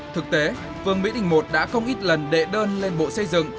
thực tế vương mỹ đình i đã không ít lần đệ đơn lên bộ xây dựng